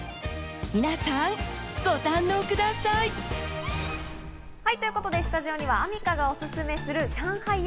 皆さん、ご堪能ください。ということでスタジオにはアミカがおすすめする上海